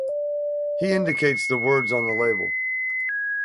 He indicates the words on the label.